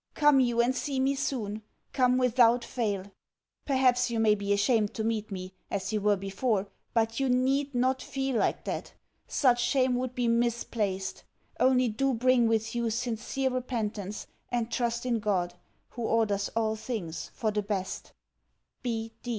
Come you and see me soon; come without fail. Perhaps you may be ashamed to meet me, as you were before, but you NEED not feel like that such shame would be misplaced. Only do bring with you sincere repentance and trust in God, who orders all things for the best.